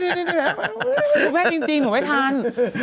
คุณแม่จริงหนูไม่ทัน